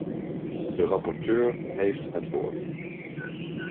De rapporteur heeft het woord.